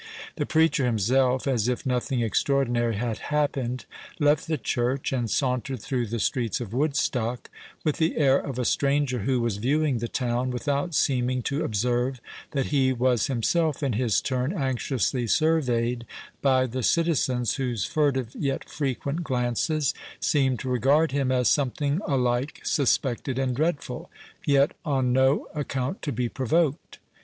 The preacher himself, as if nothing extraordinary had happened, left the church and sauntered through the streets of Woodstock, with the air of a stranger who was viewing the town, without seeming to observe that he was himself in his turn anxiously surveyed by the citizens, whose furtive yet frequent glances seemed to regard him as something alike suspected and dreadful, yet on no account to be provoked.